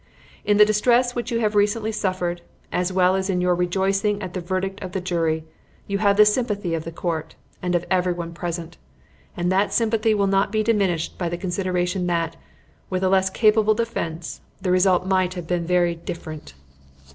In the distress which you have recently suffered, as well as in your rejoicing at the verdict of the jury, you have the sympathy of the Court, and of everyone present, and that sympathy will not be diminished by the consideration that, with a less capable defence, the result might have been very different.